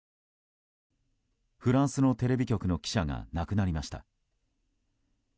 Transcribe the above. フランスのテレビ局の記者が亡くなりました。